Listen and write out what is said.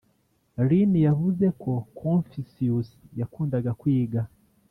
lin yavuze ko confucius yakundaga kwiga